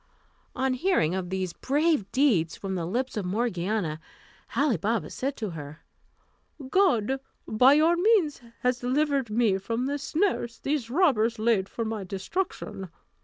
On hearing of these brave deeds from the lips of Morgiana, Ali Baba said to her "God, by your means, has delivered me from the snares these robbers laid for my destruction.